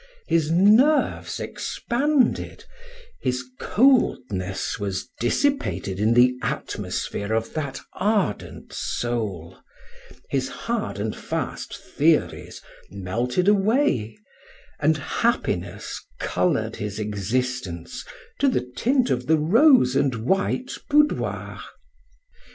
His nerves expanded, his coldness was dissipated in the atmosphere of that ardent soul, his hard and fast theories melted away, and happiness colored his existence to the tint of the rose and white boudoir.